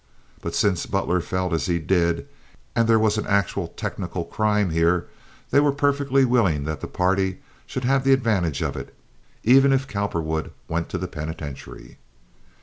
But, since Butler felt as he did, and there was an actual technical crime here, they were perfectly willing that the party should have the advantage of it, even if Cowperwood went to the penitentiary.